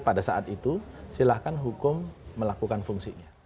pada saat itu silahkan hukum melakukan fungsinya